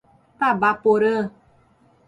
Tabaporã